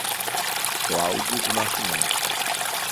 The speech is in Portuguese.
Claude do Nascimento